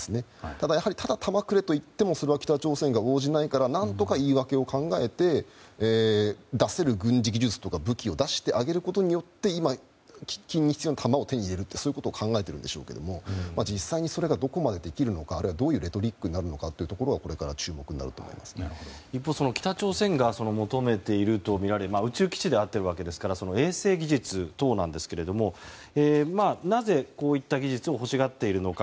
ただ、やはり弾をくれといっても北朝鮮が応じないからなんとか言い訳を考えて出せる軍事技術とか武器を出してあげることによって喫緊に弾を手に入れることを考えているでしょうが実際にそれがどこまでできるのかどういうレトリックになるか北朝鮮が求めているのは宇宙基地であるわけですから衛星技術等なんですがなぜ、こういった技術を欲しがっているのか。